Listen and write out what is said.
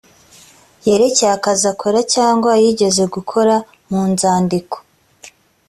yerekeye akazi akora cyangwa yigeze gukora munzandiko